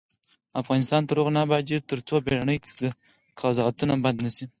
افغانستان تر هغو نه ابادیږي، ترڅو بیړني قضاوتونه بند نشي.